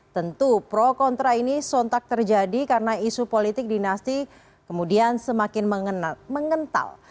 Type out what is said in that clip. tentu pro kontra ini sontak terjadi karena isu politik dinasti kemudian semakin mengental